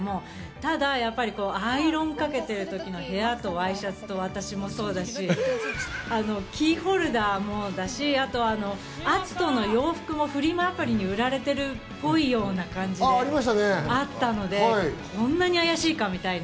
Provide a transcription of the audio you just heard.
ただアイロンかけてる時の『部屋とＹシャツと私』もそうだし、キーホルダーもだし、篤斗の洋服もフリマアプリに売られてるっぽいような感じで、こんなにあやしいかみたいな。